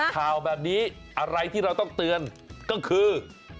ข่าวแบบนี้อะไรที่เราต้องเตือนก็คือ